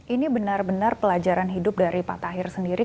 ini benar benar pelajaran hidup dari pak tahir sendiri